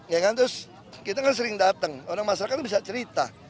ya kan terus kita kan sering datang orang masyarakat bisa cerita